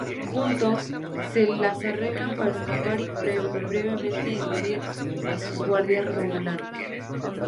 Juntos, se las arreglan para escapar y brevemente eludir a sus guardias romulanos.